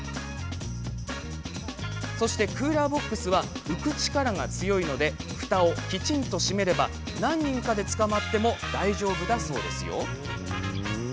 クーラーボックスは浮く力が強いのでふたをきちんと閉めれば何人かでつかまっても大丈夫だそうですよ。